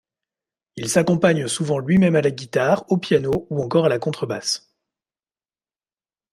Il s'accompagne souvent lui-même à la guitare au piano ou encore à la contrebasse.